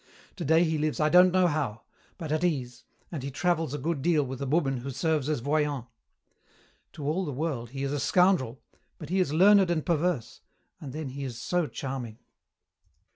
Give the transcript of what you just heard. Today he lives I don't know how, but at ease, and he travels a good deal with a woman who serves as voyant. To all the world he is a scoundrel, but he is learned and perverse, and then he is so charming."